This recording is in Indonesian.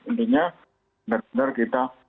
intinya benar benar kita